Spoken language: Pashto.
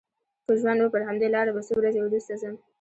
که ژوند و پر همدې لاره به څو ورځې وروسته ځم.